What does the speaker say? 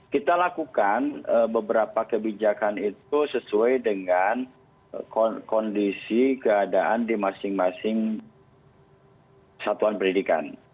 kita lakukan beberapa kebijakan itu sesuai dengan kondisi keadaan di masing masing satuan pendidikan